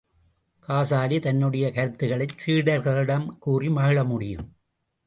காசாலி, தன்னுடைய கருத்துக்களைச் சீடர்களிடம் கூறி மகிழ முடியும்.